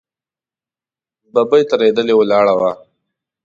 ببۍ ترهېدلې ولاړه وه.